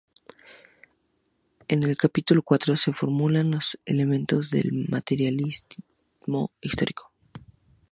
En el capítulo cuarto se formulan los elementos del materialismo histórico.